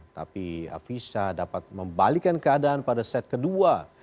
tapi avisa dapat membalikan keadaan pada set kedua